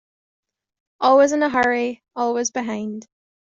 Always in a hurry, always behind.